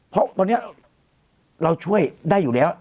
เพราะเราช่วยได้อยู่แล้ว